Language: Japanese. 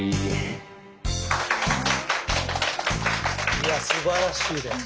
いやすばらしいね。